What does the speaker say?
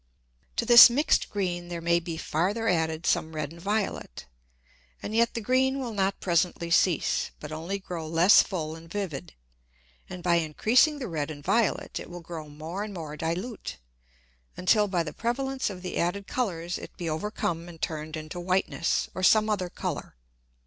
To this mix'd green there may be farther added some red and violet, and yet the green will not presently cease, but only grow less full and vivid, and by increasing the red and violet, it will grow more and more dilute, until by the prevalence of the added Colours it be overcome and turned into whiteness, or some other Colour.